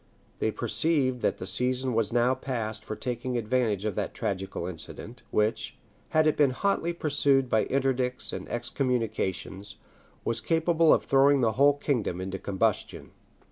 They perceived that the season was now past for taking advantage of that tragical incident; which, had it been hotly pursued by interdicts and excommunications, was capable of throwing the whole kingdom into combustion.